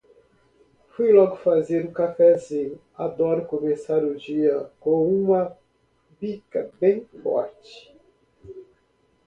Fui logo fazer um cafézinho. Adoro começar o dia com uma bica bem forte.